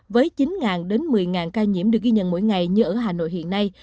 với chín đến một mươi ca nhiễm được ghi nhận mỗi ngày như ở hà nội hiện nay